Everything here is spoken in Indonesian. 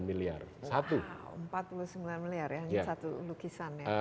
empat puluh sembilan miliar ya hanya satu lukisan ya